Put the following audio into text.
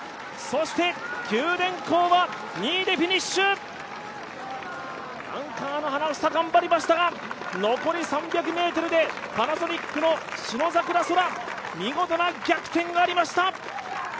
そして九電工は２位でフィニッシュアンカーの花房、頑張りましたが残り３００ｍでパナソニックの信櫻空、見事な逆転がありました。